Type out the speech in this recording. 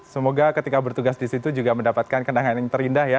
semoga ketika bertugas di situ juga mendapatkan kenangan yang terindah ya